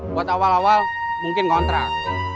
buat awal awal mungkin ngontrak